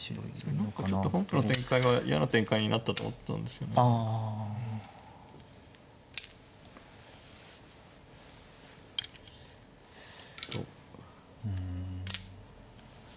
何かちょっと本譜の展開は嫌な展開になったと思ったんですよね何か。